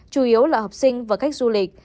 chủ yếu là học sinh và khách du lịch